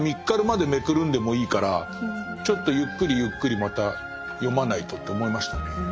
かるまでめくるんでもいいからちょっとゆっくりゆっくりまた読まないとって思いましたね。